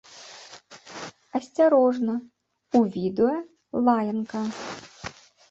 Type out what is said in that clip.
Асцярожна, у відэа лаянка!